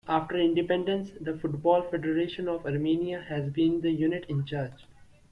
After independence, the Football Federation of Armenia has been the unit in charge.